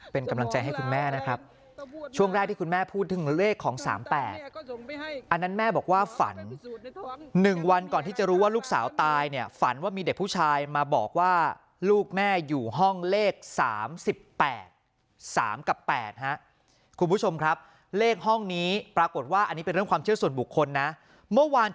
เป็นกำลังใจให้คุณแม่นะครับช่วงแรกที่คุณแม่พูดถึงเลขของ๓๘อันนั้นแม่บอกว่าฝัน๑วันก่อนที่จะรู้ว่าลูกสาวตายเนี่ยฝันว่ามีเด็กผู้ชายมาบอกว่าลูกแม่อยู่ห้องเลข๓๘๓กับ๘ฮะคุณผู้ชมครับเลขห้องนี้ปรากฏว่าอันนี้เป็นเรื่องความเชื่อส่วนบุคคลนะเมื่อวาน